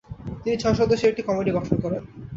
তিনি ছয় সদস্যের একটি কমিটি গঠন করেন।